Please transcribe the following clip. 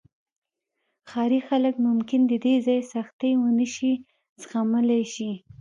ښاري خلک ممکن د دې ځای سختۍ ونه زغملی شي